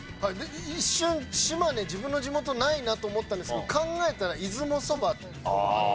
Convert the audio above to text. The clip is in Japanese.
一瞬島根自分の地元ないなと思ったんですけど考えたら出雲そばあったんで。